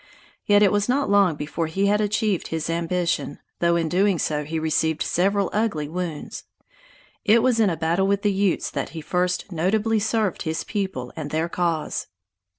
Yet it was not long before he had achieved his ambition, though in doing so he received several ugly wounds. It was in a battle with the Utes that he first notably served his people and their cause.